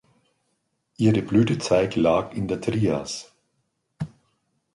Ihre Blütezeit lag in der Trias.